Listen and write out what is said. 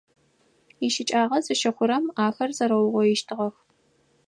ИщыкӀагъэ зыщыхъурэм ахэр зэрэугъоищтыгъэх.